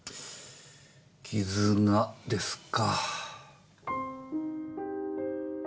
絆ですか。